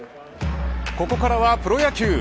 ここからはプロ野球。